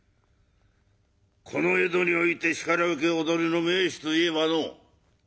この江戸においてしかるべき踊りの名手といえばのう